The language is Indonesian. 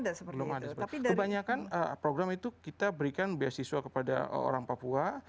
kebanyakan program itu kita berikan beasiswa kepada orang papua